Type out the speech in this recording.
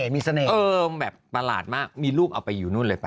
มีเสน่ห์แบบประหลาดมากมีลูกเอาไปอยู่นู่นเลยป